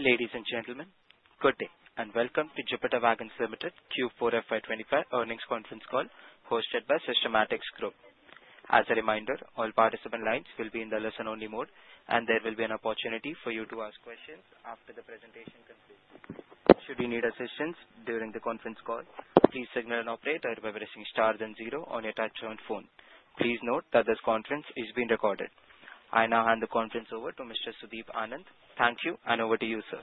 Ladies and gentlemen, good day and welcome to Jupiter Wagons Limited Q4 FY25 Earnings conference call hosted by Systematix Group. As a reminder, all participant lines will be in the listen-only mode, and there will be an opportunity for you to ask questions after the presentation concludes. Should you need assistance during the conference call, please signal an operator by pressing star then zero on your touch-tone phone. Please note that this conference is being recorded. I now hand the conference over to Mr. Sudeep Anand. Thank you, and over to you, sir.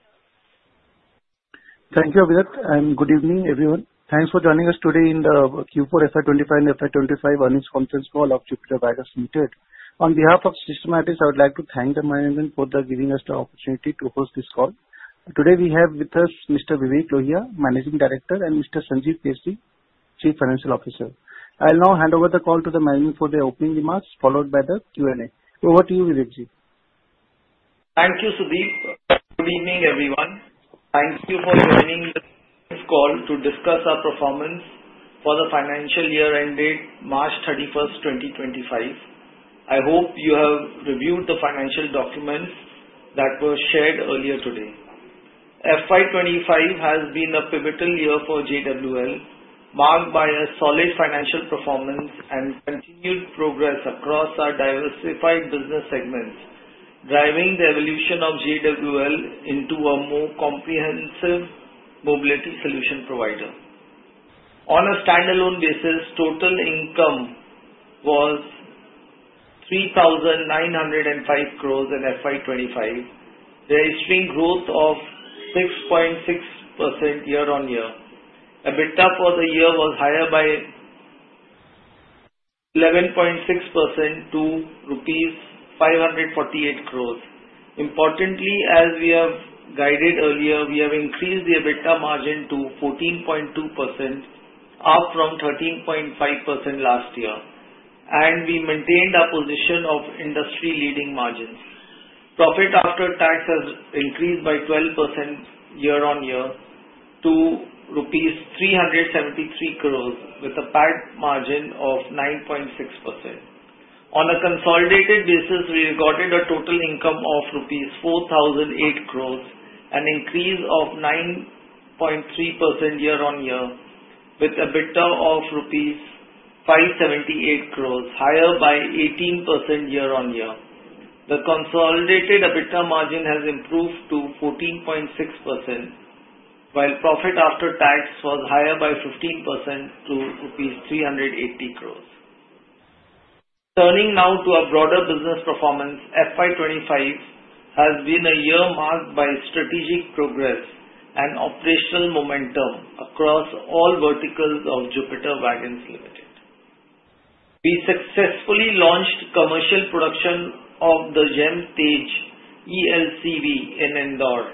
Thank you, Abhijit, and good evening, everyone. Thanks for joining us today in the Q4FY25 and FY25 earnings conference call of Jupiter Wagons Limited. On behalf of Systematix, I would like to thank the management for giving us the opportunity to host this call. Today we have with us Mr. Vivek Lohia, Managing Director, and Mr. Sanjiv Keshri, Chief Financial Officer. I'll now hand over the call to the management for their opening remarks, followed by the Q&A. Over to you, Vivekji. Thank you, Sudeep. Good evening, everyone. Thank you for joining this call to discuss our performance for the financial year end date March 31st, 2025. I hope you have reviewed the financial documents that were shared earlier today. FY25 has been a pivotal year for JWL, marked by a solid financial performance and continued progress across our diversified business segments, driving the evolution of JWL into a more comprehensive mobility solution provider. On a standalone basis, total income was 3,905 crores in FY25, registering growth of 6.6% year-on-year. EBITDA for the year was higher by 11.6% to Rs 548 crores. Importantly, as we have guided earlier, we have increased the EBITDA margin to 14.2%, up from 13.5% last year, and we maintained our position of industry-leading margins. Profit after tax has increased by 12% year-on-year to Rs 373 crores, with a PAT margin of 9.6%. On a consolidated basis, we recorded a total income of rupees 4,008 crores, an increase of 9.3% year-on-year, with EBITDA of rupees 578 crores, higher by 18% year-on-year. The consolidated EBITDA margin has improved to 14.6%, while profit after tax was higher by 15% to rupees 380 crores. Turning now to our broader business performance, FY25 has been a year marked by strategic progress and operational momentum across all verticals of Jupiter Wagons Limited. We successfully launched commercial production of the JEM TEZ ELCV in Indore,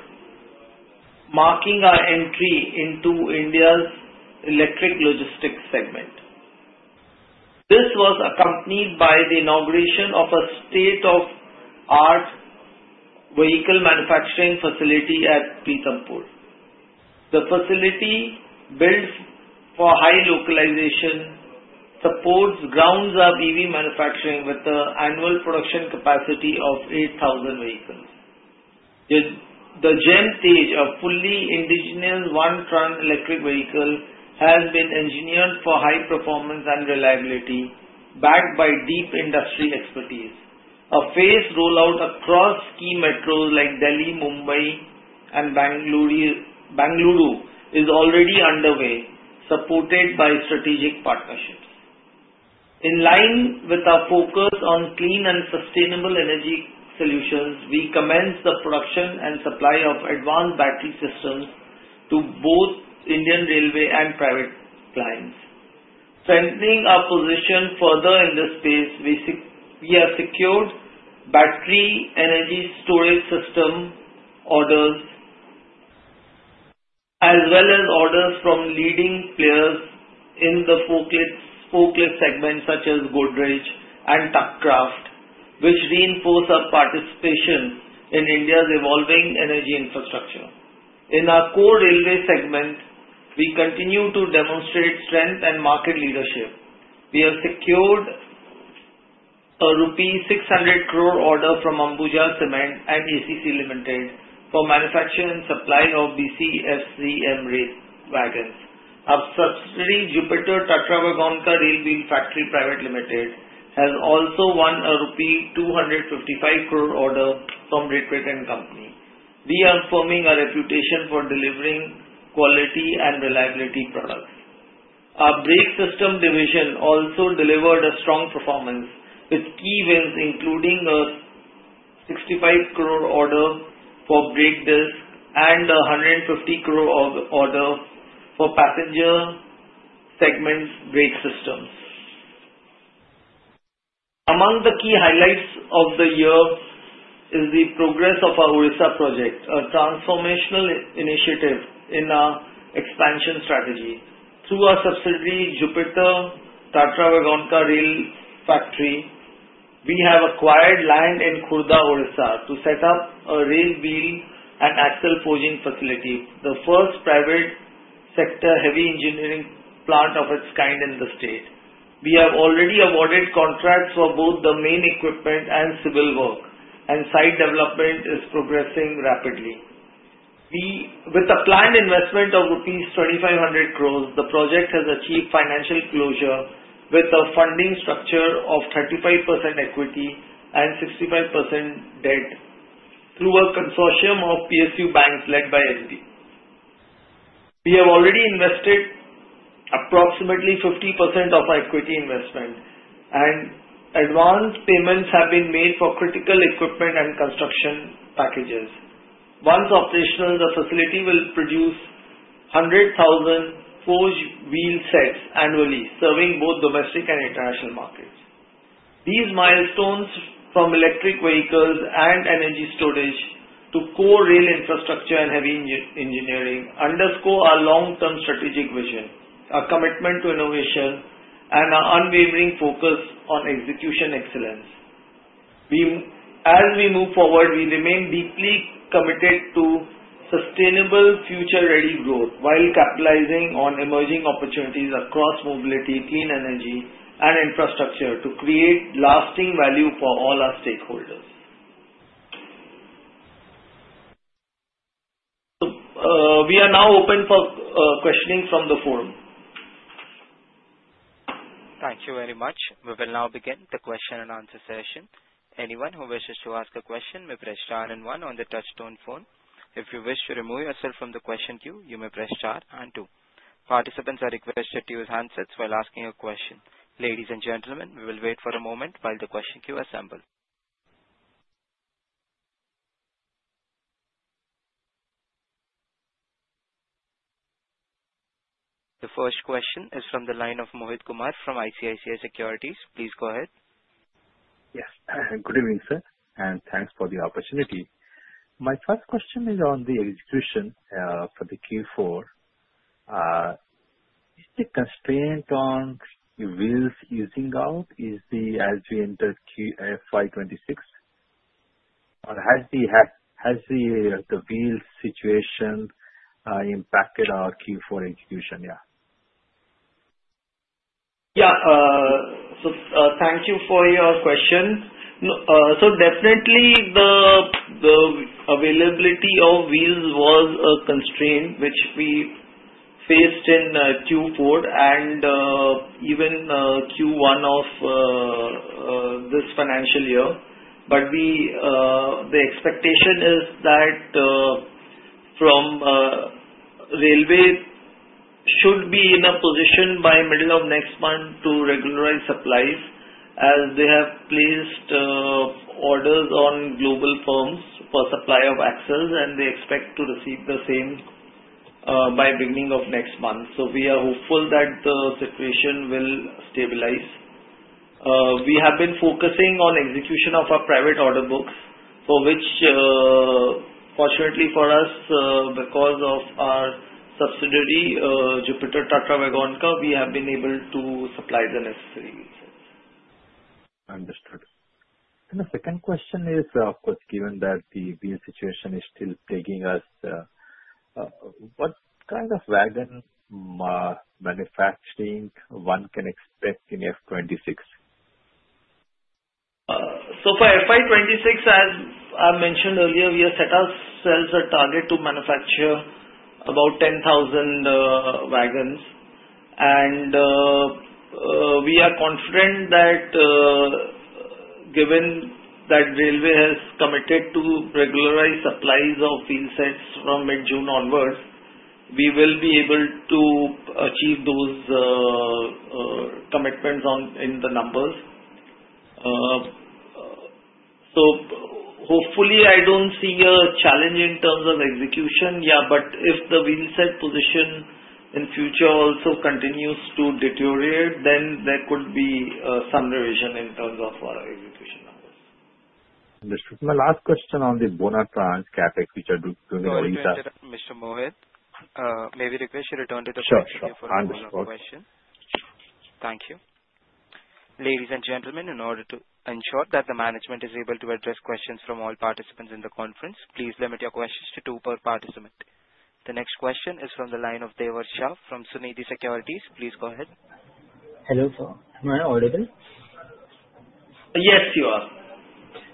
marking our entry into India's electric logistics segment. This was accompanied by the inauguration of a state-of-the-art vehicle manufacturing facility at Pithampur. The facility, built for high localization, supports ground-up EV manufacturing with an annual production capacity of 8,000 vehicles. The JEM TEZ, a fully indigenous one-ton electric vehicle, has been engineered for high performance and reliability, backed by deep industry expertise. A phased rollout across key metros like Delhi, Mumbai, and Bengaluru is already underway, supported by strategic partnerships. In line with our focus on clean and sustainable energy solutions, we commenced the production and supply of advanced battery systems to both Indian Railways and private clients. Strengthening our position further in this space, we have secured battery energy storage system orders, as well as orders from leading players in the forklift segment, such as Godrej and Tuck Craft, which reinforce our participation in India's evolving energy infrastructure. In our core railway segment, we continue to demonstrate strength and market leadership. We have secured an rupee 600 crore order from Ambuja Cements and ACC Limited for manufacturing and supply of BCFCM rail wagons. Our subsidiary, Jupiter Tatravagonka Railwheel Factory Private Limited, has also won an rupee 255 crore order from RITES Limited. We are affirming our reputation for delivering quality and reliability products. Our brake system division also delivered a strong performance, with key wins including an 65 crore order for brake discs and an 150 crore order for passenger segment brake systems. Among the key highlights of the year is the progress of our Odisha project, a transformational initiative in our expansion strategy. Through our subsidiary, Jupiter Tatravagonka Railwheel Factory, we have acquired land in Khurda, Odisha, to set up a rail wheel and axle forging facility, the first private sector heavy engineering plant of its kind in the state. We have already awarded contracts for both the main equipment and civil work, and site development is progressing rapidly. With a planned investment of INR 2,500 crores, the project has achieved financial closure with a funding structure of 35% equity and 65% debt through a consortium of PSU banks led by State Bank of India. We have already invested approximately 50% of our equity investment, and advanced payments have been made for critical equipment and construction packages. Once operational, the facility will produce 100,000 forged wheel sets annually, serving both domestic and international markets. These milestones, from electric vehicles and energy storage to core rail infrastructure and heavy engineering, underscore our long-term strategic vision, our commitment to innovation, and our unwavering focus on execution excellence. As we move forward, we remain deeply committed to sustainable future-ready growth while capitalizing on emerging opportunities across mobility, clean energy, and infrastructure to create lasting value for all our stakeholders. We are now open for questioning from the forum. Thank you very much. We will now begin the question and answer session. Anyone who wishes to ask a question may press star and one on the touch-tone phone. If you wish to remove yourself from the question queue, you may press star and two. Participants are requested to use handsets while asking a question. Ladies and gentlemen, we will wait for a moment while the question queue assembles. The first question is from the line of Mohit Kumar from ICICI Securities. Please go ahead. Yes. Good evening, sir, and thanks for the opportunity. My first question is on the execution for the Q4. Is the constraint on wheels easing out as we enter FY26? Or has the wheel situation impacted our Q4 execution? Yeah. Yeah. So thank you for your question. So definitely, the availability of wheels was a constraint which we faced in Q4 and even Q1 of this financial year. But the expectation is that railway should be in a position by middle of next month to regularize supplies, as they have placed orders on global firms for supply of axles, and they expect to receive the same by beginning of next month. So we are hopeful that the situation will stabilize. We have been focusing on execution of our private order books, for which, fortunately for us, because of our subsidiary, Jupiter Tatravagonka, we have been able to supply the necessary wheel sets. Understood, and the second question is, of course, given that the situation is still plaguing us, what kind of wagon manufacturing one can expect in FY26? So for FY26, as I mentioned earlier, we have set ourselves a target to manufacture about 10,000 wagons. And we are confident that given that railway has committed to regularize supplies of wheel sets from mid-June onwards, we will be able to achieve those commitments in the numbers. So hopefully, I don't see a challenge in terms of execution. Yeah, but if the wheel set position in future also continues to deteriorate, then there could be some revision in terms of our execution numbers. Understood. My last question on the Bonatrans Capex, which are doing Odisha. Mr. Mohit, may we request you return to the question before the final question? Sure. Sure. Thank you. Ladies and gentlemen, in order to ensure that the management is able to address questions from all participants in the conference, please limit your questions to two per participant. The next question is from the line of Deval Shah from Sunidhi Securities. Please go ahead. Hello sir. Am I audible? Yes, you are.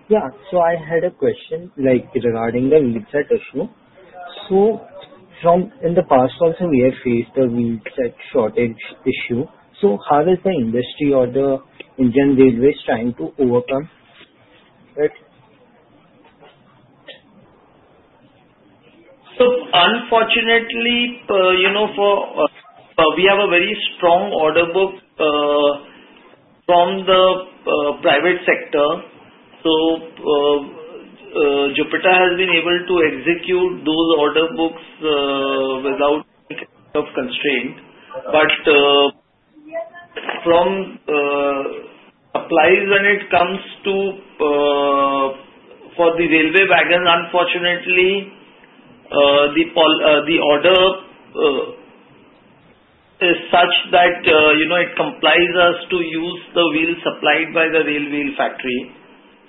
Yeah. So I had a question regarding the wheel set issue. So in the past, also, we have faced a wheel set shortage issue. So how is the industry or the Indian Railways trying to overcome that? Unfortunately, we have a very strong order book from the private sector. Jupiter has been able to execute those order books without any kind of constraint. From supplies, when it comes to the railway wagons, unfortunately, the order is such that it compels us to use the wheel supplied by the railway factory.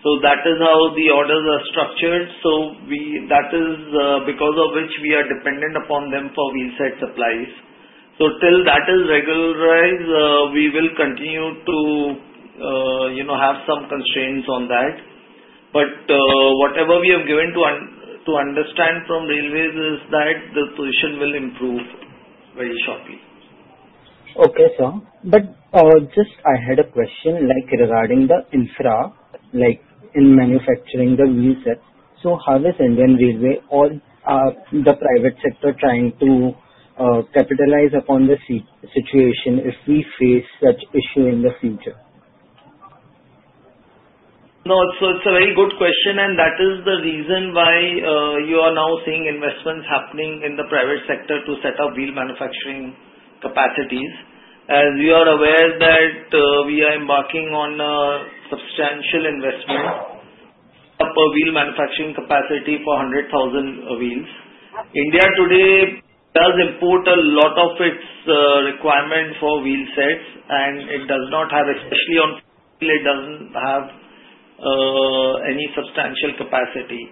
That is how the orders are structured. That is because of which we are dependent upon them for wheel set supplies. Till that is regularized, we will continue to have some constraints on that. Whatever we have been given to understand from railways is that the position will improve very shortly. Okay, sir. But just I had a question regarding the infra in manufacturing the wheel set. So how is Indian Railways or the private sector trying to capitalize upon the situation if we face such issue in the future? No. So it's a very good question. And that is the reason why you are now seeing investments happening in the private sector to set up wheel manufacturing capacities. As you are aware that we are embarking on a substantial investment per wheel manufacturing capacity for 100,000 wheels. India today does import a lot of its requirement for wheel sets, and it does not have, especially on wheels, it doesn't have any substantial capacity.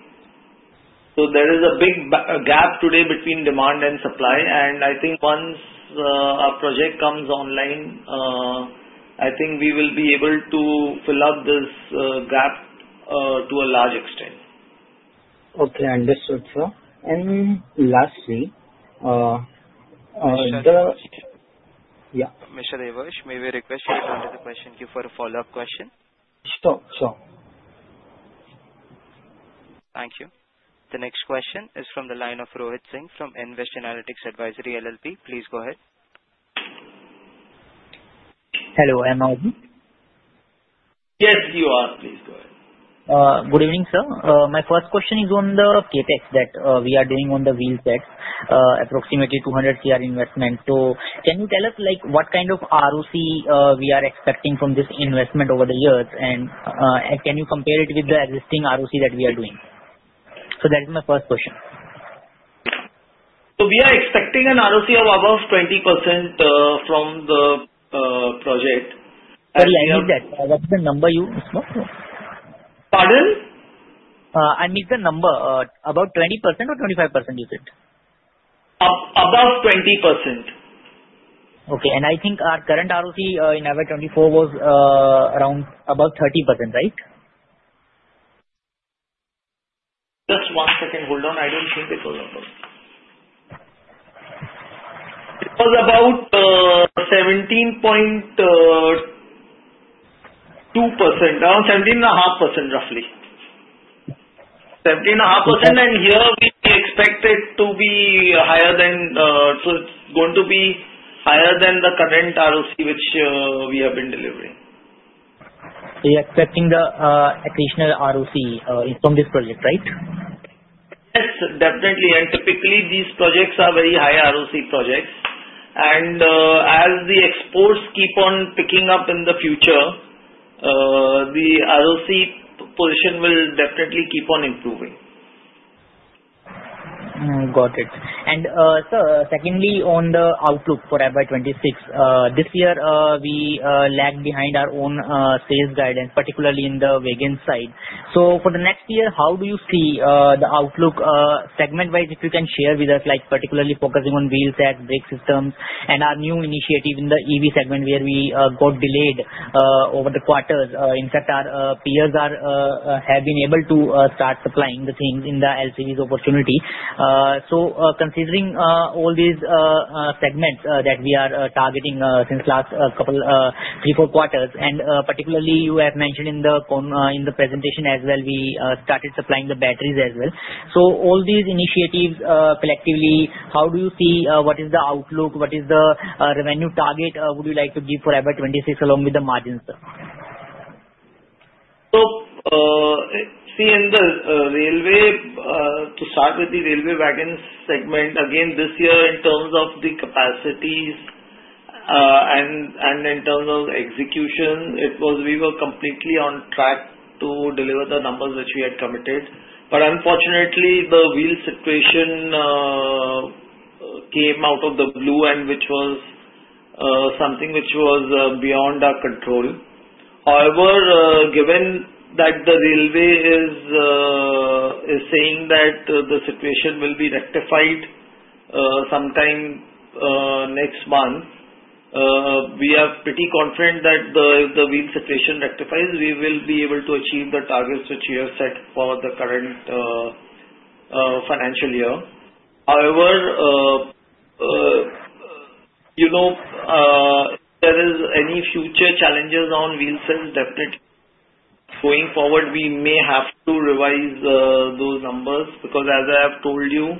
So there is a big gap today between demand and supply. And I think once our project comes online, I think we will be able to fill up this gap to a large extent. Okay. Understood, sir, and lastly, the. Mr. Deval Shah, yeah. Mr. Deval Shah, may we request you to turn to the question queue for a follow-up question? Sure, sure. Thank you. The next question is from the line of Rohit Singh from Nvest Analytics Advisory LLP. Please go ahead. Hello. Am I audible? Yes, you are. Please go ahead. Good evening, sir. My first question is on the CapEx that we are doing on the wheel sets, approximately 200 crore investment. So can you tell us what kind of RoCE we are expecting from this investment over the years, and can you compare it with the existing RoCE that we are doing? So that is my first question. We are expecting a RoCE of about 20% from the project. Sorry, I missed that. What's the number you spoke to? Pardon? I missed the number. About 20% or 25%, you said? About 20%. Okay. And I think our current ROC in FY24 was around about 30%, right? Just one second. Hold on. I don't think it was about. It was about 17.2%. Around 17.5%, roughly. 17.5%. And here, we expect it to be higher than it was going to be higher than the current RoCE, which we have been delivering. So you're expecting the additional RoCE from this project, right? Yes, definitely. And typically, these projects are very high RoCE projects. And as the exports keep on picking up in the future, the RoCE position will definitely keep on improving. Got it. And sir, secondly, on the outlook for FY26, this year, we lagged behind our own sales guidance, particularly in the wagon side. So for the next year, how do you see the outlook segment-wise? If you can share with us, particularly focusing on wheel set, brake systems, and our new initiative in the EV segment where we got delayed over the quarters. In fact, our peers have been able to start supplying the things in the LCVs opportunity. So considering all these segments that we are targeting since last couple of three, four quarters, and particularly, you have mentioned in the presentation as well, we started supplying the batteries as well. So all these initiatives collectively, how do you see what is the outlook? What is the revenue target would you like to give for FY26 along with the margins, sir? So, see, in the railway, to start with the railway wagons segment, again, this year, in terms of the capacities and in terms of execution, we were completely on track to deliver the numbers which we had committed. But unfortunately, the wheel situation came out of the blue, which was something which was beyond our control. However, given that the railway is saying that the situation will be rectified sometime next month, we are pretty confident that if the wheel situation rectifies, we will be able to achieve the targets which we have set for the current financial year. However, if there are any future challenges on wheel sets, definitely going forward, we may have to revise those numbers because, as I have told you,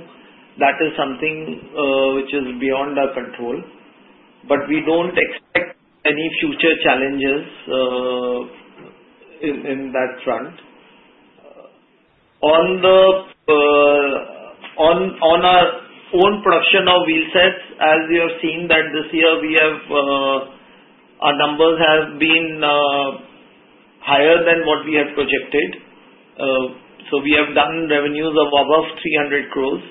that is something which was beyond our control. But we don't expect any future challenges in that front. On our own production of wheel sets, as you have seen, that this year, our numbers have been higher than what we had projected. So we have done revenues of above 300 crores.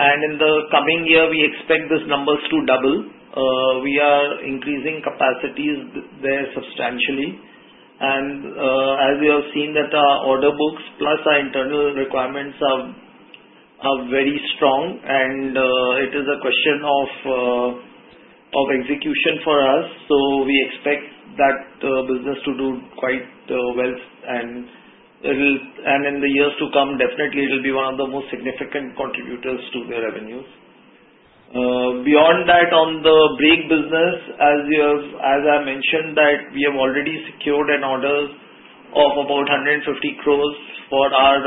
And in the coming year, we expect these numbers to double. We are increasing capacities there substantially. And as you have seen, that our order books, plus our internal requirements, are very strong. And it is a question of execution for us. So we expect that business to do quite well. And in the years to come, definitely, it will be one of the most significant contributors to the revenues. Beyond that, on the brake business, as I mentioned, that we have already secured an order of about 150 crores for our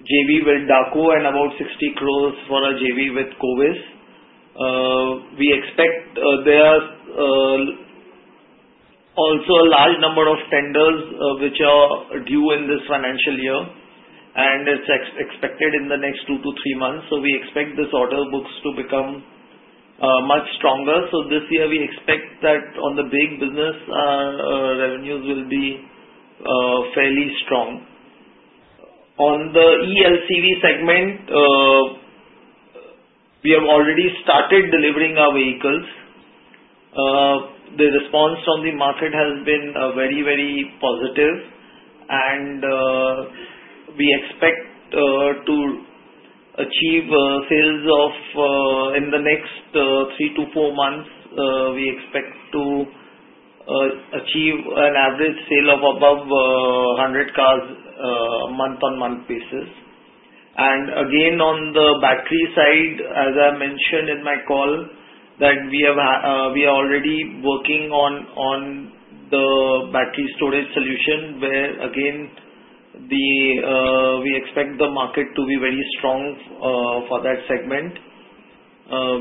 JV with DACO-CZ and about 60 crores for our JV with Kovis. We expect there are also a large number of tenders which are due in this financial year. And it's expected in the next two to three months. So we expect these order books to become much stronger. So this year, we expect that on the big business, revenues will be fairly strong. On the ELCV segment, we have already started delivering our vehicles. The response from the market has been very, very positive. And we expect to achieve sales of in the next three to four months. We expect to achieve an average sale of above 100 cars month-on-month basis. And again, on the battery side, as I mentioned in my call, that we are already working on the battery storage solution where, again, we expect the market to be very strong for that segment.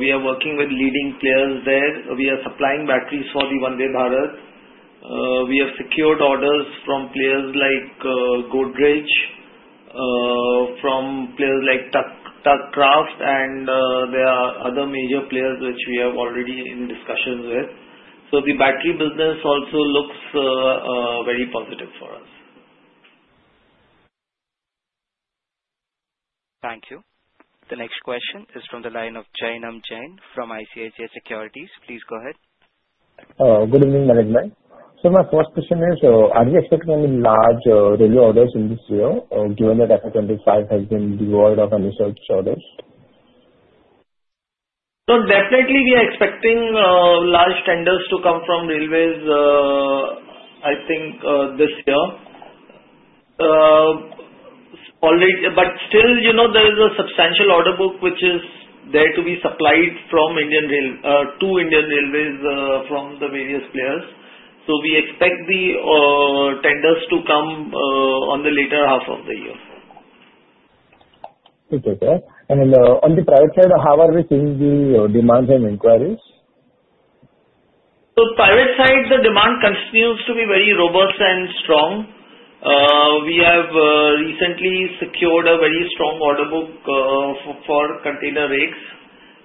We are working with leading players there. We are supplying batteries for the Vande Bharat Express. We have secured orders from players like Godrej, from players like Tuck, Craft, and there are other major players which we have already in discussions with. The battery business also looks very positive for us. Thank you. The next question is from the line of Jainam Jain from ICICI Securities. Please go ahead. Good evening, Management. So my first question is, are you expecting any large railway orders in this year, given that FY25 has been devoid of any such orders? So definitely, we are expecting large tenders to come from railways, I think, this year. But still, there is a substantial order book which is there to be supplied to Indian Railways from the various players. So we expect the tenders to come on the later half of the year. Okay. And on the private side, how are we seeing the demand and inquiries? So private side, the demand continues to be very robust and strong. We have recently secured a very strong order book for container rigs.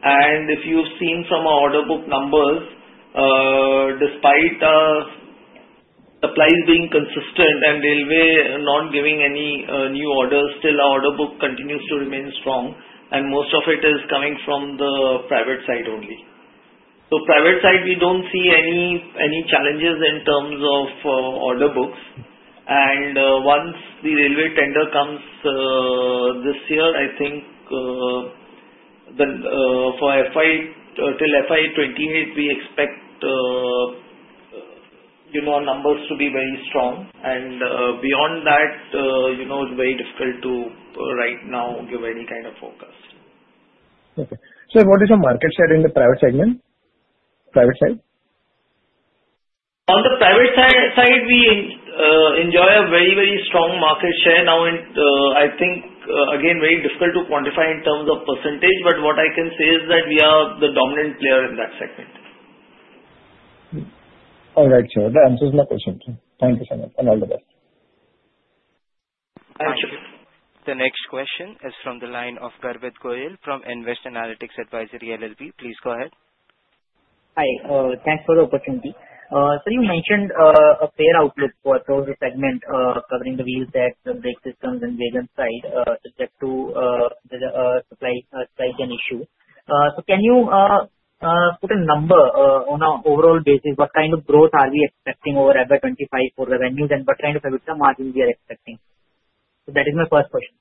And if you've seen from our order book numbers, despite supplies being consistent and railway not giving any new orders, still, our order book continues to remain strong. And most of it is coming from the private side only. So private side, we don't see any challenges in terms of order books. And once the railway tender comes this year, I think for till FY28, we expect numbers to be very strong. And beyond that, it's very difficult to right now give any kind of focus. Okay. Sir, what is your market share in the private segment, private side? On the private side, we enjoy a very, very strong market share. Now, I think, again, very difficult to quantify in terms of percentage. But what I can say is that we are the dominant player in that segment. All right, sir. That answers my question. Thank you so much. And all the best. Thank you. The next question is from the line of Garvit Goyal from Envest Analytics Advisory, LLP. Please go ahead. Hi. Thanks for the opportunity. So you mentioned a fair outlook for the segment covering the wheel set, the brake systems, and wagon side subject to supply chain issues. So can you put a number on an overall basis? What kind of growth are we expecting over FY25 for revenues, and what kind of margins we are expecting? So that is my first question.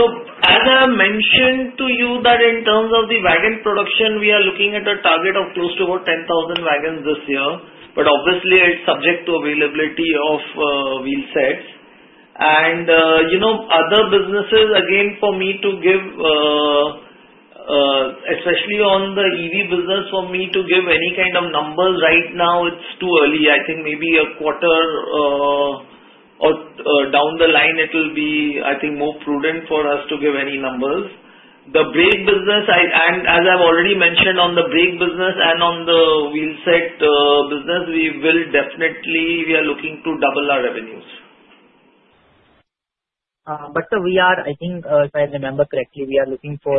So as I mentioned to you, that in terms of the wagon production, we are looking at a target of close to about 10,000 wagons this year. But obviously, it's subject to availability of wheel sets. And other businesses, again, for me to give, especially on the EV business, for me to give any kind of numbers right now, it's too early. I think maybe a quarter down the line, it will be, I think, more prudent for us to give any numbers. The brake business, and as I've already mentioned, on the brake business and on the wheel set business, we are looking to double our revenues. But sir, we are. I think, if I remember correctly, we are looking for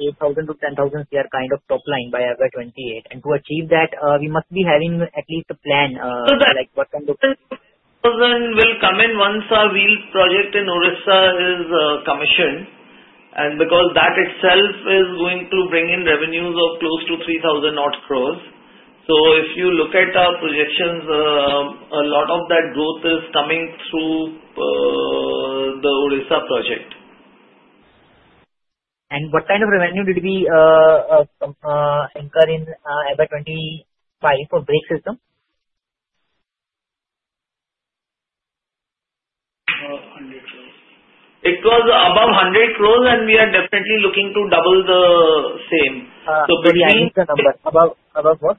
8,000-10,000 crore kind of top line by FY28. And to achieve that, we must be having at least a plan. So the. Like, what kind of? So 10,000 will come in once our wheel project in Odisha is commissioned. And because that itself is going to bring in revenues of close to 3,000 crores. So if you look at our projections, a lot of that growth is coming through the Odisha project. What kind of revenue did we incur in FY25 for brake system? It was above 100 crores, and we are definitely looking to double the same. What's the number? Above what?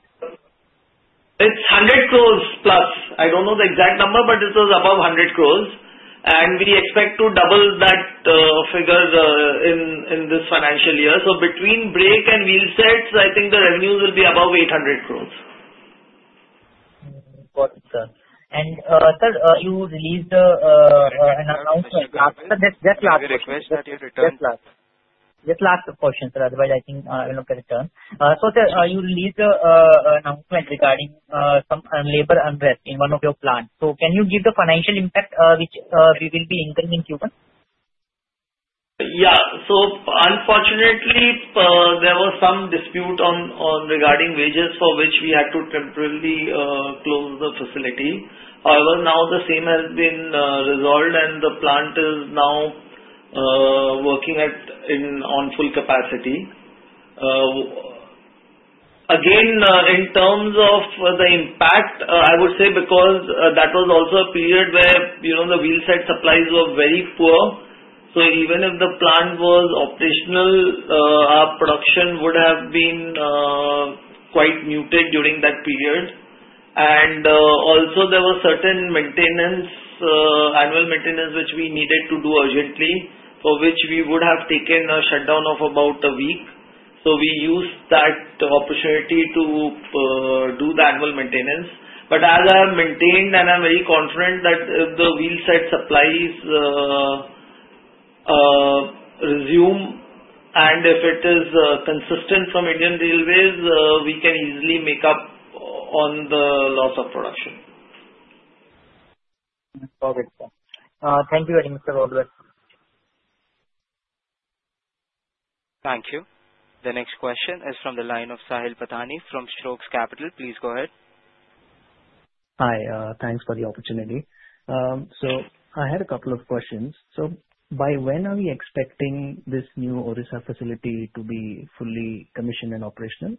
It's 100 crores plus. I don't know the exact number, but it was above 100 crores. And we expect to double that figure in this financial year. So between brake and wheel sets, I think the revenues will be above 800 crores. Got it, sir. And sir, you released an announcement. Just last question? My request that you return. Just last question, sir. Otherwise, I think I will not get a turn. So sir, you released an announcement regarding some labor unrest in one of your plants. So can you give the financial impact which we will be incurring in Q1? Yeah. So unfortunately, there was some dispute regarding wages for which we had to temporarily close the facility. However, now the same has been resolved, and the plant is now working on full capacity. Again, in terms of the impact, I would say because that was also a period where the wheel set supplies were very poor. So even if the plant was operational, our production would have been quite muted during that period. And also, there were certain annual maintenance which we needed to do urgently, for which we would have taken a shutdown of about a week. So we used that opportunity to do the annual maintenance. But as I have maintained, and I'm very confident that if the wheel set supplies resume and if it is consistent from Indian Railways, we can easily make up on the loss of production. Got it, sir. Thank you very much, sir. All the best. Thank you. The next question is from the line of Sahil Pattani from StoxBox. Please go ahead. Hi. Thanks for the opportunity. So I had a couple of questions. So by when are we expecting this new Odisha facility to be fully commissioned and operational?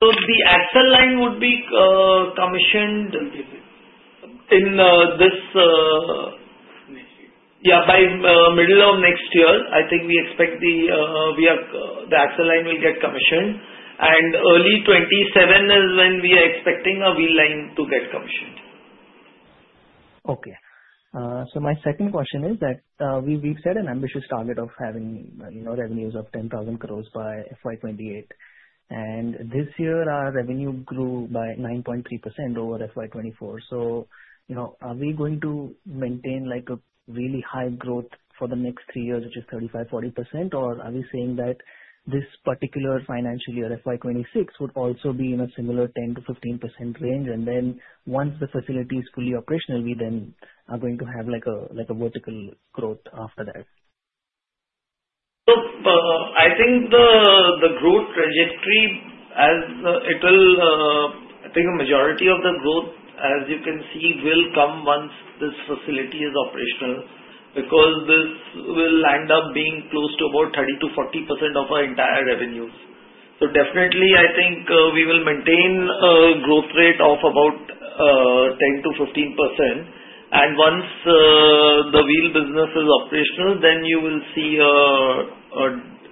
The actual line would be commissioned in this, yeah, by middle of next year. I think we expect the actual line will get commissioned. Early 2027 is when we are expecting our wheel line to get commissioned. Okay. So my second question is that we've set an ambitious target of having revenues of 10,000 crores by FY28. And this year, our revenue grew by 9.3% over FY24. So are we going to maintain a really high growth for the next three years, which is 35%-40%, or are we saying that this particular financial year, FY26, would also be in a similar 10%-15% range? And then once the facility is fully operational, we then are going to have a vertical growth after that. I think the growth trajectory, as it will, I think the majority of the growth, as you can see, will come once this facility is operational because this will end up being close to about 30%-40% of our entire revenues. Definitely, I think we will maintain a growth rate of about 10%-15%. Once the wheel business is operational, then you will see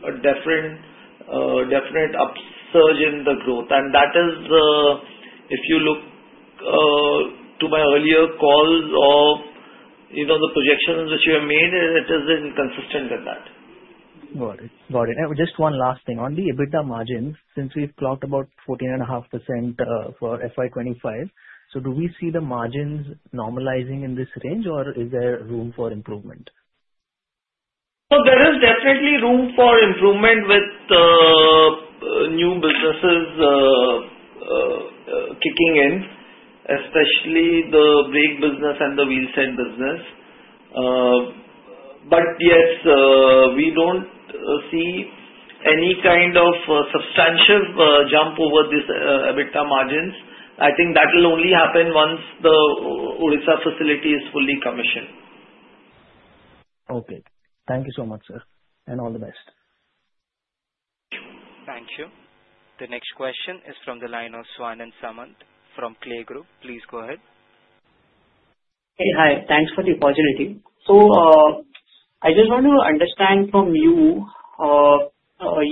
a definite upsurge in the growth. That is, if you look to my earlier calls of the projections which we have made, it is consistent with that. Got it. Got it. And just one last thing. On the EBITDA margins, since we've clocked about 14.5% for FY25, so do we see the margins normalizing in this range, or is there room for improvement? There is definitely room for improvement with new businesses kicking in, especially the brake business and the wheel set business. But yes, we don't see any kind of substantial jump over these EBITDA margins. I think that will only happen once the Odisha facility is fully commissioned. Okay. Thank you so much, sir. And all the best. Thank you. The next question is from the line of Swanand Samant from Chanakya Capital Services. Please go ahead. Hey, hi. Thanks for the opportunity. So I just want to understand from you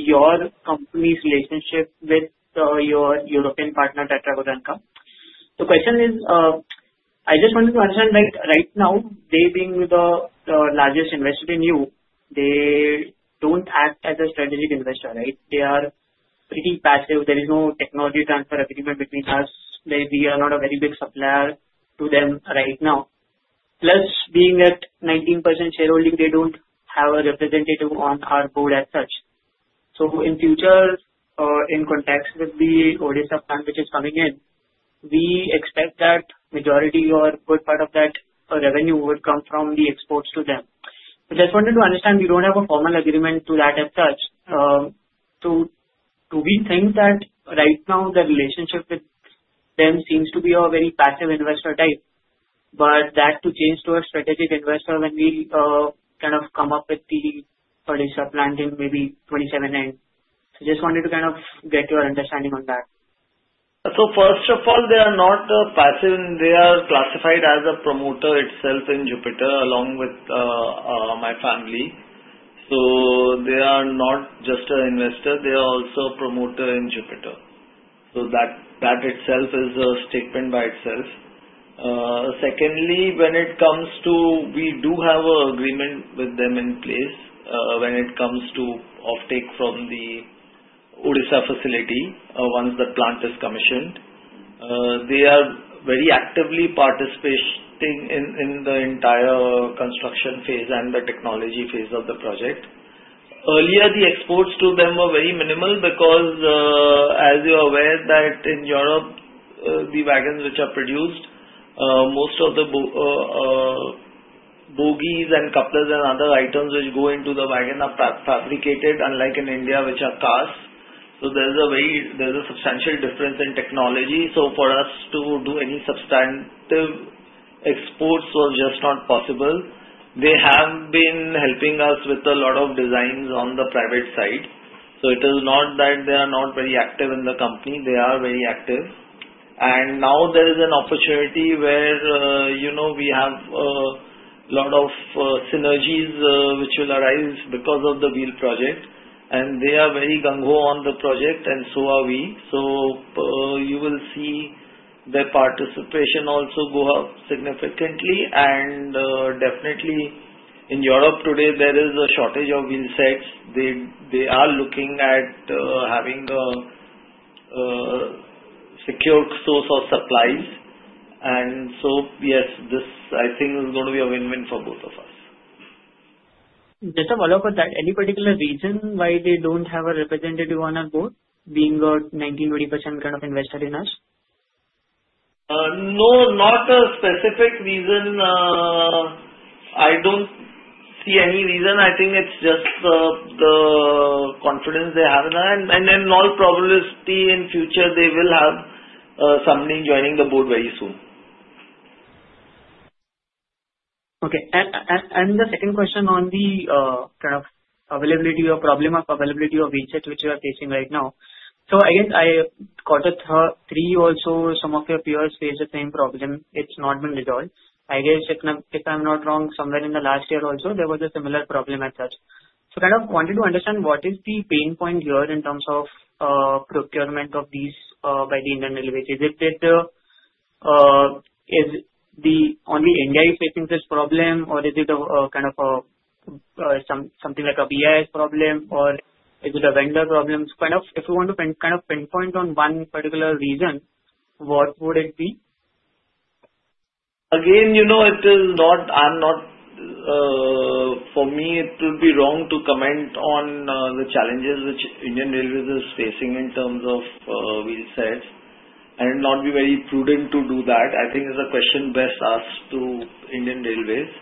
your company's relationship with your European partner, Tatravagonka. The question is, I just wanted to understand that right now, they being the largest investor in you, they don't act as a strategic investor, right? They are pretty passive. There is no technology transfer agreement between us. We are not a very big supplier to them right now. Plus, being at 19% shareholding, they don't have a representative on our board as such. So in future, in context with the Odisha plan which is coming in, we expect that majority or good part of that revenue would come from the exports to them. So just wanted to understand, we don't have a formal agreement to that as such. So we think that right now, the relationship with them seems to be a very passive investor type. But that's to change to a strategic investor when we kind of come up with the Odisha plan in maybe 2027 end. So just wanted to kind of get your understanding on that. So first of all, they are not passive. They are classified as a promoter itself in Jupiter along with my family. So they are not just an investor. They are also a promoter in Jupiter. So that itself is a statement by itself. Secondly, when it comes to, we do have an agreement with them in place when it comes to offtake from the Odisha facility once the plant is commissioned. They are very actively participating in the entire construction phase and the technology phase of the project. Earlier, the exports to them were very minimal because, as you're aware, that in Europe, the wagons which are produced, most of the bogies and couplers and other items which go into the wagon are fabricated, unlike in India, which are cast. So there's a substantial difference in technology. So for us to do any substantive exports was just not possible. They have been helping us with a lot of designs on the private side. So it is not that they are not very active in the company. They are very active. And now there is an opportunity where we have a lot of synergies which will arise because of the wheel project. And they are very gung-ho on the project, and so are we. So you will see their participation also go up significantly. And definitely, in Europe today, there is a shortage of wheel sets. They are looking at having a secure source of supplies. And so yes, this, I think, is going to be a win-win for both of us. Just to follow up on that, any particular reason why they don't have a representative on our board being a 19%-20% kind of investor in us? No, not a specific reason. I don't see any reason. I think it's just the confidence they have, and in all probability, in future, they will have somebody joining the board very soon. Okay. And the second question on the kind of availability or problem of availability of wheel sets which you are facing right now, so I guess in Q3. Also, some of your peers face the same problem. It's not been resolved. I guess, if I'm not wrong, somewhere in the last year also, there was a similar problem as such, so kind of wanted to understand what is the pain point here in terms of procurement of these by Indian Railways. Is it the only India is facing this problem, or is it kind of something like a BIS problem, or is it a vendor problem, so kind of if we want to kind of pinpoint on one particular reason, what would it be? Again, it is not for me, it would be wrong to comment on the challenges which Indian Railways is facing in terms of wheel sets. I would not be very prudent to do that. I think it's a question best asked to Indian Railways.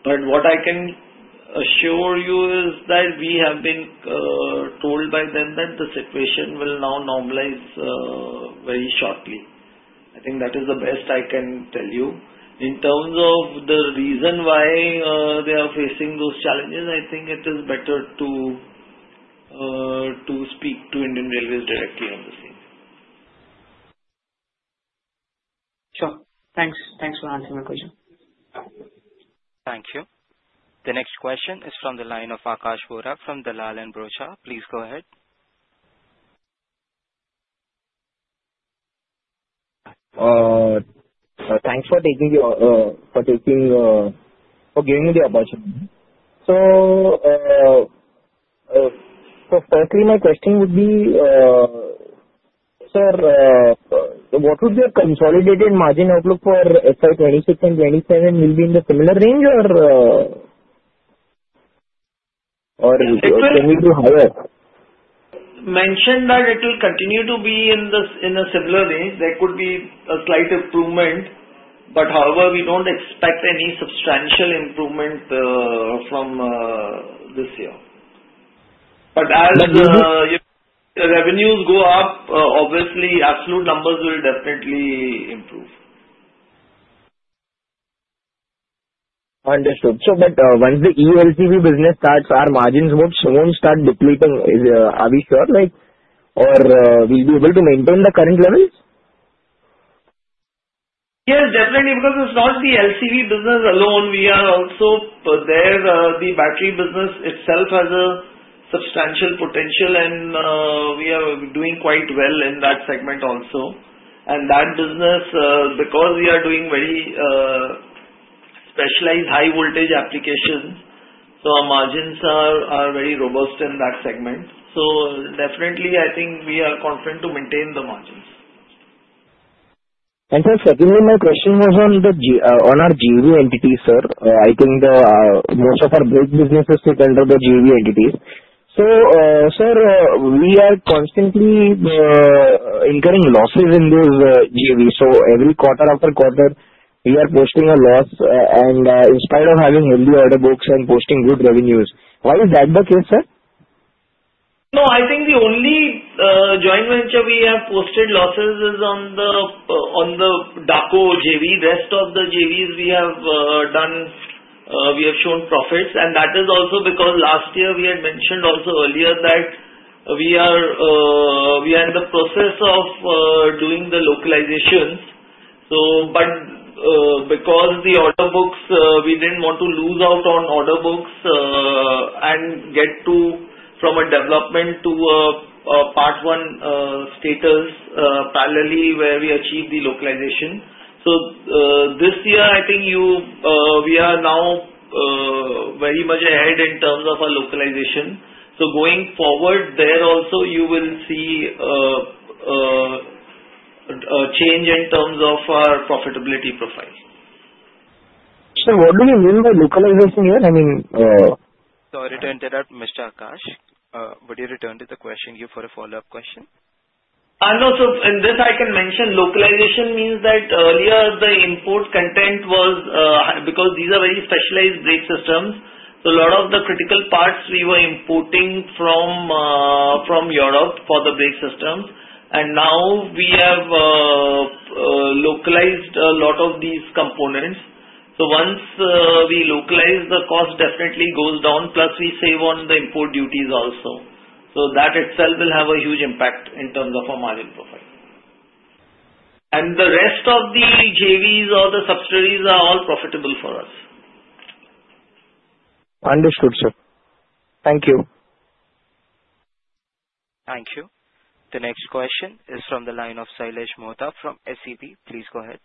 But what I can assure you is that we have been told by them that the situation will now normalize very shortly. I think that is the best I can tell you. In terms of the reason why they are facing those challenges, I think it is better to speak to Indian Railways directly on the scene. Sure. Thanks. Thanks for answering my question. Thank you. The next question is from the line of Akash Vora from Dalal & Broacha. Please go ahead. Thanks for giving me the opportunity. Firstly, my question would be, sir, what would be a consolidated margin outlook for FY26 and FY27? Will it be in the similar range, or can we do higher? Mentioned that it will continue to be in a similar range. There could be a slight improvement. But however, we don't expect any substantial improvement from this year. But as revenues go up, obviously, absolute numbers will definitely improve. Understood. So but once the ELCV business starts, our margins won't start depleting. Are we sure? Or will we be able to maintain the current levels? Yes, definitely. Because it's not the ELCV business alone. We are also there. The battery business itself has a substantial potential, and we are doing quite well in that segment also, and that business, because we are doing very specialized high-voltage applications, so our margins are very robust in that segment, so definitely, I think we are confident to maintain the margins. Sir, secondly, my question was on our JV entities, sir. I think most of our brake businesses take under the JV entities. So sir, we are constantly incurring losses in these JVs. So every quarter after quarter, we are posting a loss, and in spite of having healthy order books and posting good revenues, why is that the case, sir? No, I think the only joint venture we have posted losses is on the DACO-CZ JV. Rest of the JVs we have done, we have shown profits. And that is also because last year we had mentioned also earlier that we are in the process of doing the localizations. But because the order books, we didn't want to lose out on order books and get to from a development to a Part 1 status parallelly where we achieve the localization. So this year, I think we are now very much ahead in terms of our localization. So going forward, there also you will see a change in terms of our profitability profile. So what do you mean by localization here? I mean. Sorry to interrupt, Mr. Akash. Would you return to the question? You have a follow-up question. No, so in this, I can mention localization means that earlier the import content was because these are very specialized brake systems. So a lot of the critical parts we were importing from Europe for the brake systems. And now we have localized a lot of these components. So once we localize, the cost definitely goes down. Plus, we save on the import duties also. So that itself will have a huge impact in terms of our margin profile. And the rest of the JVs or the subsidiaries are all profitable for us. Understood, sir. Thank you. Thank you. The next question is from the line of Shailesh Mohta from SEP. Please go ahead.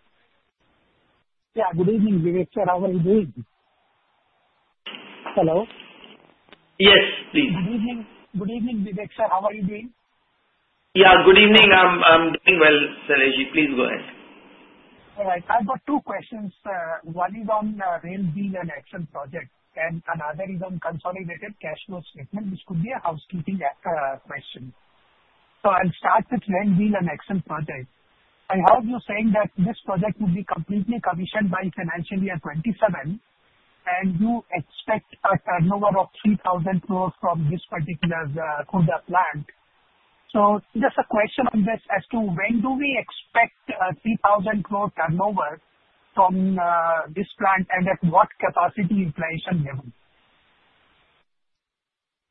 Yeah. Good evening, Vivek sir. How are you doing? Hello? Yes, please. Good evening. Good evening, Vivek sir. How are you doing? Yeah, good evening. I'm doing well, Shailesh. Please go ahead. All right. I've got two questions. One is on rail wheel and axle project, and another is on consolidated cash flow statement, which could be a housekeeping question. So I'll start with rail wheel and axle project. I heard you saying that this project will be completely commissioned by financial year 2027, and you expect a turnover of 3,000 crores from this particular Khurda plant. So just a question on this as to when do we expect 3,000 crore turnover from this plant and at what capacity utilization level?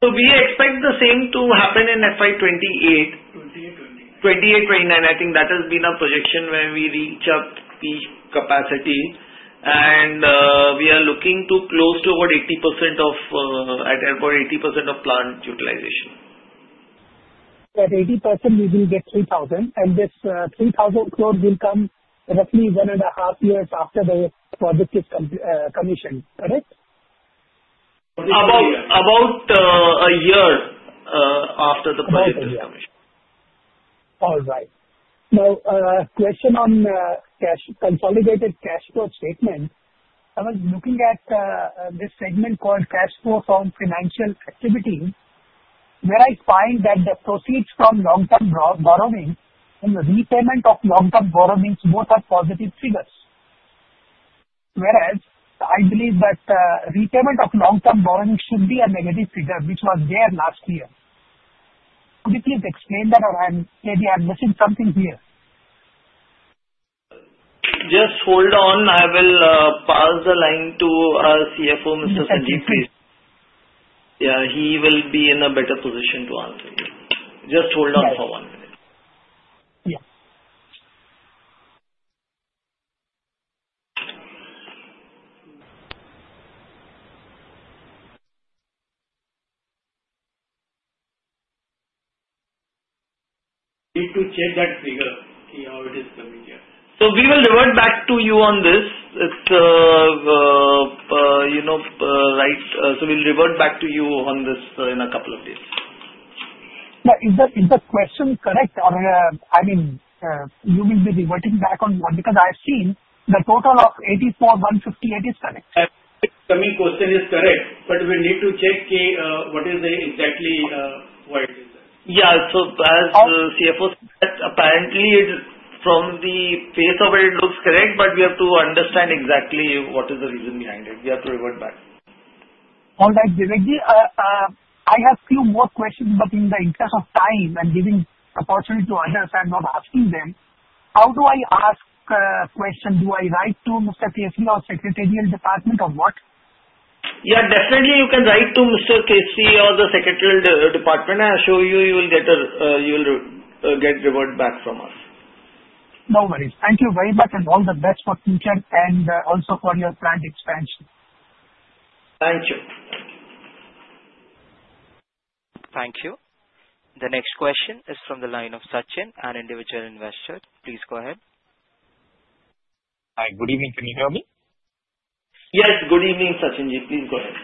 So we expect the same to happen in FY28. 28, 29. 2028, 2029. I think that has been our projection when we reach up the capacity. And we are looking to close to about 80% at about 80% of plant utilization. At 80%, we will get 3,000. And this 3,000 crore will come roughly one and a half years after the project is commissioned, correct? About a year after the project is commissioned. All right. Now, question on consolidated cash flow statement. I was looking at this segment called cash flow from financial activity, where I find that the proceeds from long-term borrowing and the repayment of long-term borrowings both are positive figures. Whereas I believe that repayment of long-term borrowing should be a negative figure, which was there last year. Could you please explain that, or maybe I'm missing something here? Just hold on. I will pass the line to CFO, Mr. Sanjiv. Please. Yeah, he will be in a better position to answer you. Just hold on for one minute. Yeah. Need to check that figure, see how it is coming here. So we will revert back to you on this. It's right. So we'll revert back to you on this in a couple of days. Now, is the question correct? Or, I mean, you will be reverting back on what? Because I've seen the total of 84,158 is correct. Coming question is correct. But we need to check what is exactly why it is that. Yeah. So as CFO said, apparently, from the face of it, it looks correct, but we have to understand exactly what is the reason behind it. We have to revert back. All right, Vivek ji. I have a few more questions, but in the interest of time and giving opportunity to others, I'm not asking them. How do I ask a question? Do I write to Mr. Keshri or Secretarial Department or what? Yeah, definitely, you can write to Mr. Keshri or the Secretarial Department. I'll show you. You will get revert back from us. No worries. Thank you very much, and all the best for future and also for your plant expansion. Thank you. Thank you. The next question is from the line of Sachin, an individual investor. Please go ahead. Hi, good evening. Can you hear me? Yes, good evening, Sachin ji. Please go ahead.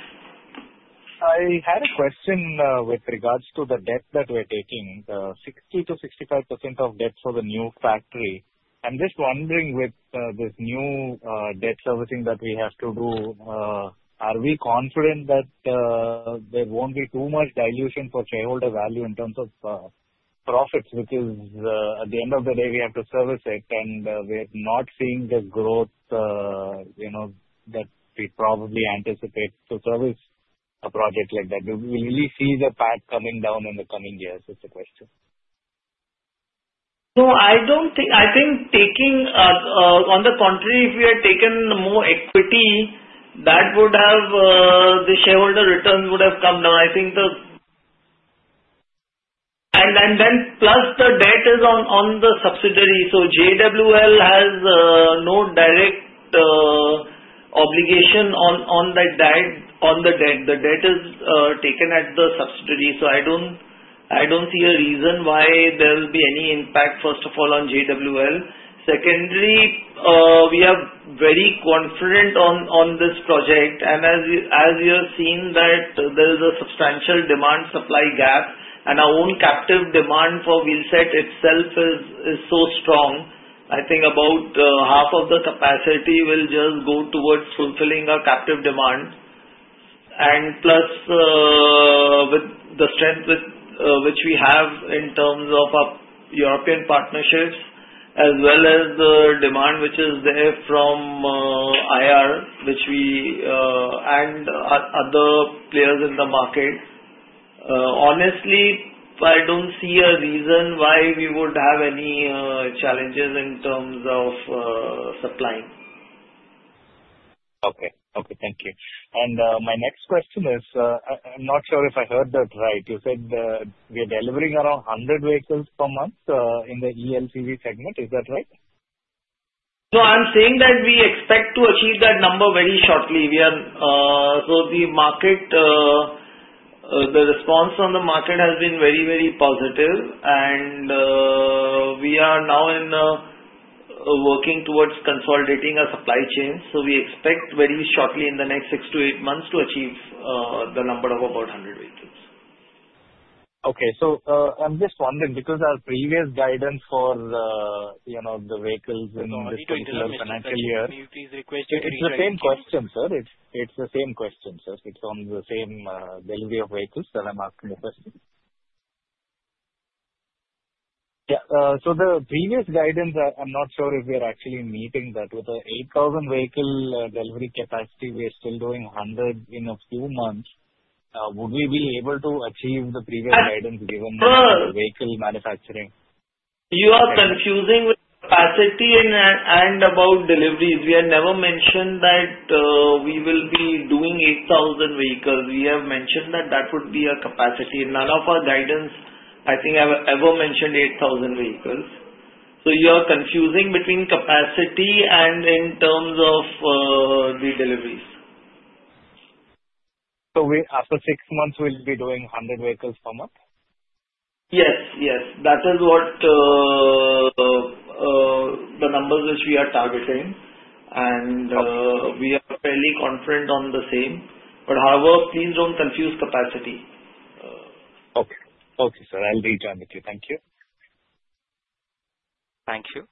I had a question with regards to the debt that we're taking. 60%-65% of debt for the new factory. I'm just wondering with this new debt servicing that we have to do, are we confident that there won't be too much dilution for shareholder value in terms of profits, which is at the end of the day, we have to service it. And we're not seeing the growth that we probably anticipate to service a project like that. Will we see the path coming down in the coming years? Is the question. No, I think taking on the contrary, if we had taken more equity, that would have the shareholder returns would have come down. I think the and then plus the debt is on the subsidiary. So JWL has no direct obligation on the debt. The debt is taken at the subsidiary. So I don't see a reason why there will be any impact, first of all, on JWL. Secondly, we are very confident on this project. And as you have seen, there is a substantial demand-supply gap. And our own captive demand for wheel set itself is so strong. I think about half of the capacity will just go towards fulfilling our captive demand. And plus with the strength which we have in terms of our European partnerships, as well as the demand which is there from IR, which we and other players in the market. Honestly, I don't see a reason why we would have any challenges in terms of supplying. Okay. Okay, thank you. And my next question is, I'm not sure if I heard that right. You said we are delivering around 100 vehicles per month in the ELCV segment. Is that right? No, I'm saying that we expect to achieve that number very shortly. So the response on the market has been very, very positive. And we are now working towards consolidating our supply chain. So we expect very shortly in the next six to eight months to achieve the number of about 100 vehicles. Okay, so I'm just wondering because our previous guidance for the vehicles in this particular financial year. It's the same question, sir. It's the same question, sir. It's on the same delivery of vehicles that I'm asking the question. Yeah, so the previous guidance, I'm not sure if we are actually meeting that. With the 8,000 vehicle delivery capacity, we are still doing 100 in a few months. Would we be able to achieve the previous guidance given the vehicle manufacturing? You are confusing with capacity and about deliveries. We had never mentioned that we will be doing 8,000 vehicles. We have mentioned that that would be our capacity. None of our guidance, I think, ever mentioned 8,000 vehicles. So you are confusing between capacity and in terms of the deliveries. So after six months, we'll be doing 100 vehicles per month? Yes, yes. That is what the numbers which we are targeting, and we are fairly confident on the same, but however, please don't confuse capacity. Okay. Okay, sir. I'll rejoin with you. Thank you. Thank you.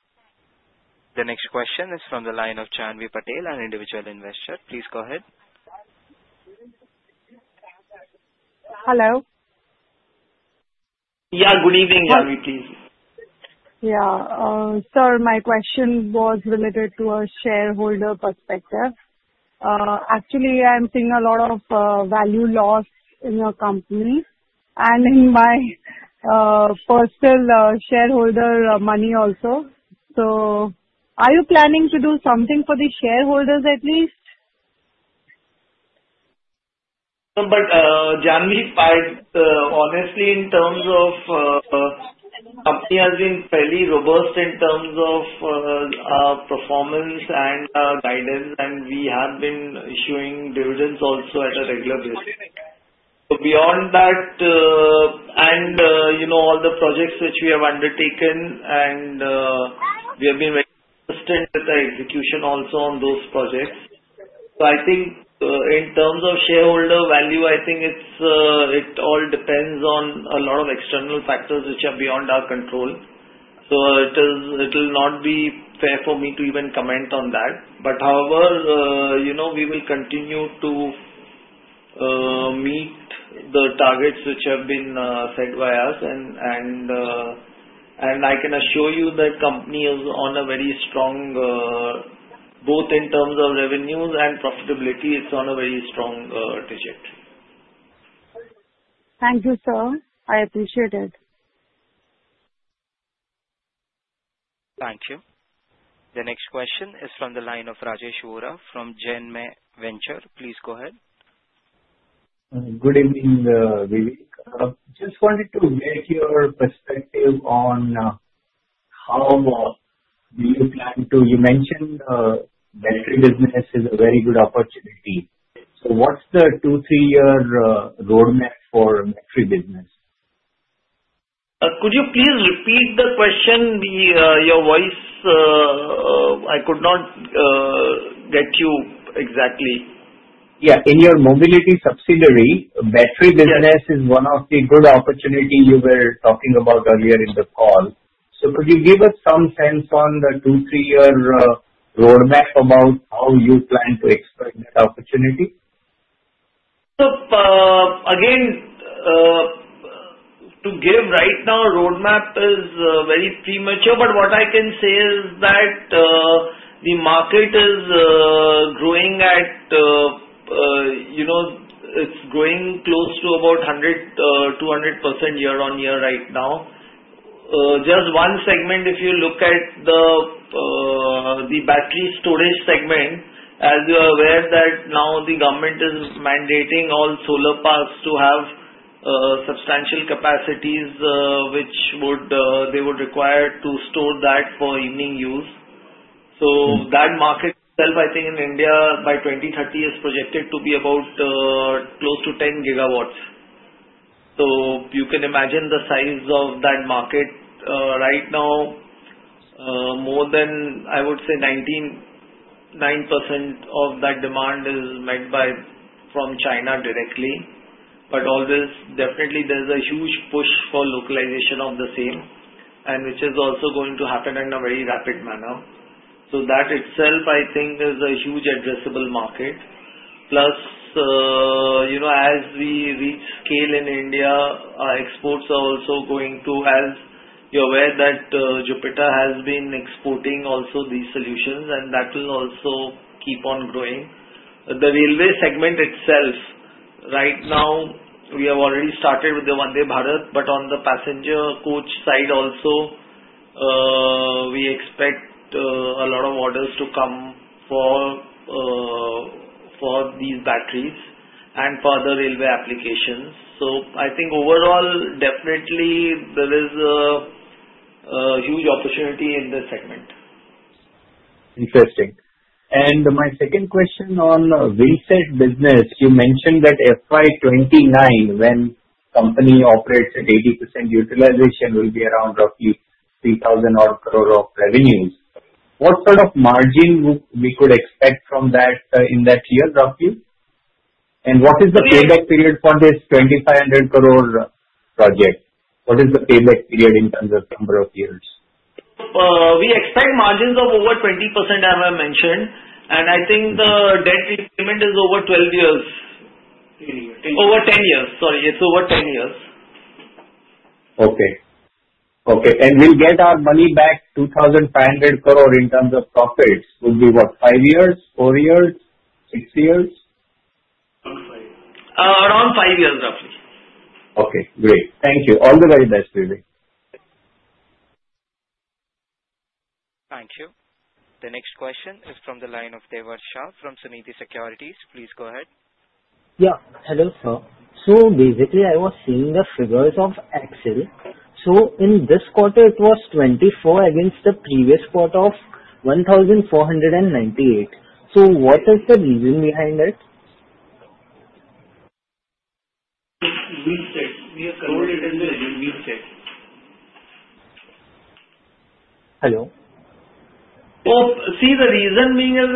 The next question is from the line of Chanvi Patel, an individual investor. Please go ahead. Hello. Yeah, good evening, Chanvi, please. Yeah. Sir, my question was related to a shareholder perspective. Actually, I'm seeing a lot of value loss in your company and in my personal shareholder money also. So are you planning to do something for the shareholders at least? Chanvi, I honestly, in terms of, the company has been fairly robust in terms of performance and guidance, and we have been issuing dividends also on a regular basis. So beyond that and all the projects which we have undertaken, and we have been very consistent with the execution also on those projects. So I think in terms of shareholder value, I think it all depends on a lot of external factors which are beyond our control. So it will not be fair for me to even comment on that. However, we will continue to meet the targets which have been set by us. And I can assure you that the company is on a very strong trajectory both in terms of revenues and profitability. Thank you, sir. I appreciate it. Thank you. The next question is from the line of Rajesh Vora from Janmay Ventures. Please go ahead. Good evening, Vivek. Just wanted to get your perspective on how do you plan to, you mentioned the battery business is a very good opportunity. So what's the 2-3-year roadmap for battery business? Could you please repeat the question? Your voice, I could not get you exactly. Yeah. In your mobility subsidiary, battery business is one of the good opportunities you were talking about earlier in the call. So could you give us some sense on the two, three-year roadmap about how you plan to exploit that opportunity? Again, to give right now, the roadmap is very premature. But what I can say is that the market is growing. It's growing close to about 100-200% year on year right now. Just one segment, if you look at the battery storage segment, as you are aware, that now the government is mandating all solar parks to have substantial capacities, which they would require to store that for evening use. That market itself, I think, in India, by 2030, is projected to be about close to 10 gigawatts. You can imagine the size of that market right now. More than, I would say, 99% of that demand is met from China directly. But definitely, there's a huge push for localization of the same, which is also going to happen in a very rapid manner. That itself, I think, is a huge addressable market. Plus, as we reach scale in India, our exports are also going to, as you're aware, that Jupiter has been exporting also these solutions, and that will also keep on growing. The railway segment itself, right now, we have already started with the Vande Bharat, but on the passenger coach side also, we expect a lot of orders to come for these batteries and for the railway applications. So I think overall, definitely, there is a huge opportunity in this segment. Interesting. And my second question on wheel set business, you mentioned that FY 2029, when company operates at 80% utilization, will be around roughly 3,000 crores of revenues. What sort of margin we could expect from that in that year, roughly? And what is the payback period for this 2,500 crore project? What is the payback period in terms of number of years? We expect margins of over 20%, as I mentioned. And I think the debt repayment is over 12 years. Over 10 years. Sorry, it's over 10 years. Okay. Okay. And we'll get our money back 2,500 crore in terms of profits. Would be what, five years, four years, six years? Around five years, roughly. Okay. Great. Thank you. All the very best, Vivek. Thank you. The next question is from the line of Deval Shah from Sunidhi Securities. Please go ahead. Yeah. Hello, sir. So basically, I was seeing the figures of axle. So in this quarter, it was 24 against the previous quarter of 1,498. So what is the reason behind it? Wheel Set. We have converted into Wheel Set. Hello? See, the reason being is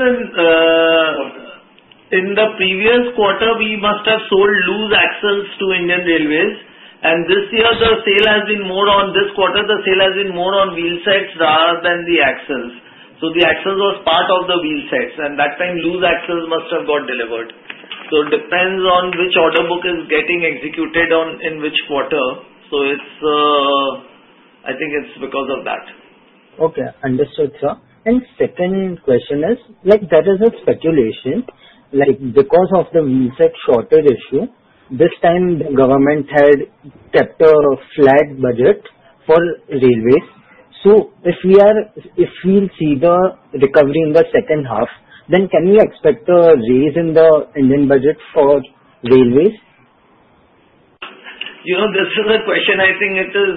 in the previous quarter, we must have sold loose axles to Indian Railways. And this year, the sale has been more on this quarter, the sale has been more on wheel sets rather than the axles. So the axles was part of the wheel sets. And that time, loose axles must have got delivered. So it depends on which order book is getting executed in which quarter. So I think it's because of that. Okay. Understood, sir. And second question is, there is a speculation because of the wheel set shortage issue, this time, the government had kept a flat budget for railways. So if we see the recovery in the second half, then can we expect a raise in the Indian Railways budget? This is a question I think it is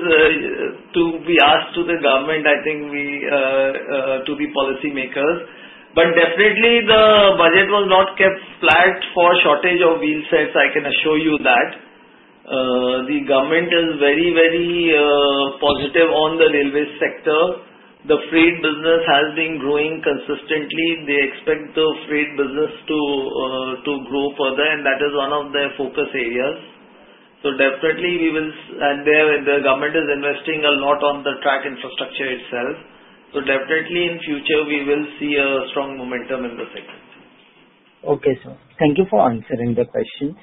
to be asked to the government, I think, to the policymakers. But definitely, the budget was not kept flat for shortage of wheel sets. I can assure you that. The government is very, very positive on the railway sector. The freight business has been growing consistently. They expect the freight business to grow further, and that is one of their focus areas. So definitely, we will and the government is investing a lot on the track infrastructure itself. So definitely, in future, we will see a strong momentum in the segment. Okay, sir. Thank you for answering the question.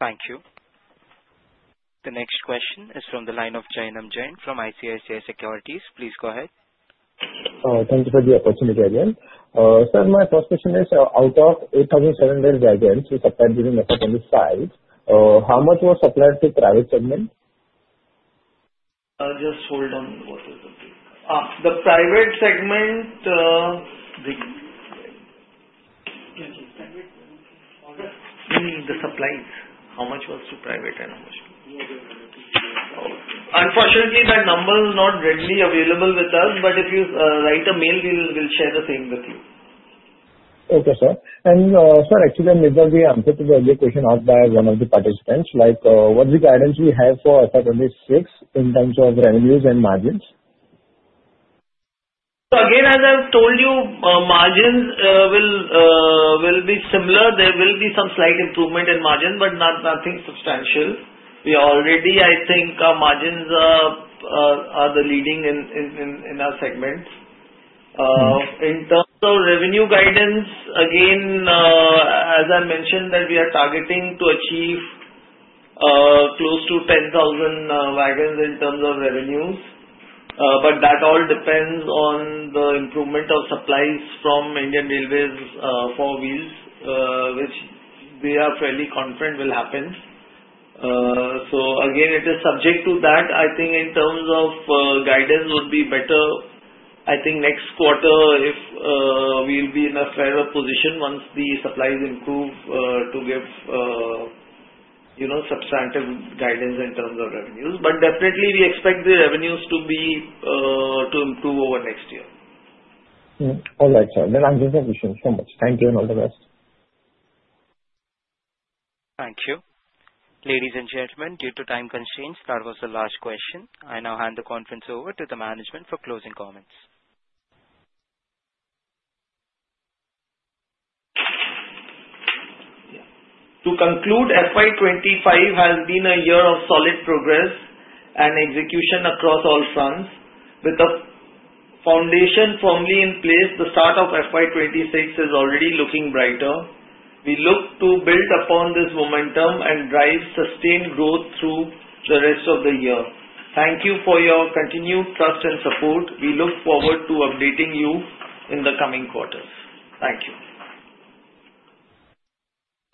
Thank you. The next question is from the line of Jainam Jain from ICICI Securities. Please go ahead. Thank you for the opportunity again. Sir, my first question is, out of 8,700 wagons supplied during 2025, how much was supplied to private segment? Just hold on. The private segment. The supplies, how much was to private and how much to? Unfortunately, that number is not readily available with us, but if you write a mail, we'll share the same with you. Okay, sir, and sir, actually, I remember we answered the earlier question asked by one of the participants. What's the guidance we have for FY 26 in terms of revenues and margins? So again, as I've told you, margins will be similar. There will be some slight improvement in margins, but nothing substantial. We already, I think, our margins are the leading in our segment. In terms of revenue guidance, again, as I mentioned, that we are targeting to achieve close to 10,000 wagons in terms of revenues. But that all depends on the improvement of supplies from Indian Railways for wheels, which we are fairly confident will happen. So again, it is subject to that. I think in terms of guidance, it would be better, I think, next quarter if we'll be in a fairer position once the supplies improve to give substantive guidance in terms of revenues. But definitely, we expect the revenues to improve over next year. All right, sir. Then I'll give you permission. Thank you and all the best. Thank you. Ladies and gentlemen, due to time constraints, that was the last question. I now hand the conference over to the management for closing comments. To conclude, FY 25 has been a year of solid progress and execution across all fronts. With the foundation firmly in place, the start of FY 26 is already looking brighter. We look to build upon this momentum and drive sustained growth through the rest of the year. Thank you for your continued trust and support. We look forward to updating you in the coming quarters. Thank you.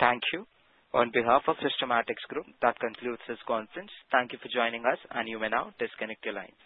Thank you. On behalf of Systematix Group, that concludes this conference. Thank you for joining us, and you may now disconnect your lines.